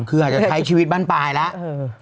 คืออาจจะใช้ชีวิตบ้านปลายแล้ว